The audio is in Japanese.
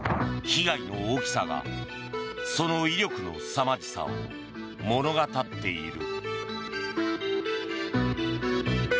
被害の大きさがその威力のすさまじさを物語っている。